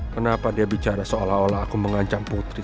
kenapa dia bicara seolah olah aku mengancam putri